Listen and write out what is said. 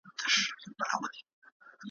ګړی وروسته به په دام کی وې لوېدلي ,